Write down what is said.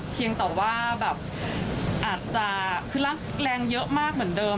เพียงแต่ว่าแบบอาจจะคือรักแรงเยอะมากเหมือนเดิม